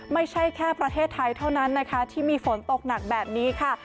ไม่ใช่แค่ประเทศไทยเท่านั้นนะคะที่มีฝนตกหนักแบบนี้ค่ะ